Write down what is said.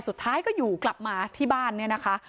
สุดท้ายก็อยู่กลับมาที่บ้านเนี่ยนะคะ